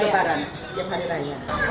setiap hari raya